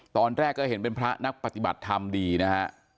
ตอนแรกก็เห็นเป็นพระนักปฏิบัติธรรมดีนะฮะ